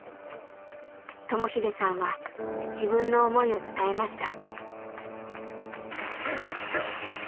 智英さんは自分の思いを伝えました。